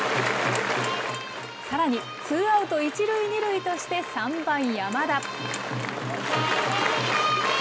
さらにツーアウト１塁２塁として３番山田。